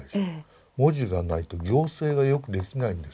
文字がないと行政がよくできないんです。